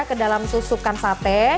kedalam susukan sate